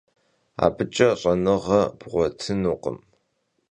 Abıç'e ş'enığe bğuetınukhım.